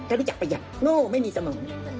ก็รู้จักประหยัดโง่ไม่มีสมอง